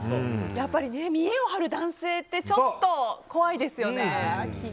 やっぱり見えを張る男性ってちょっと怖いですよね。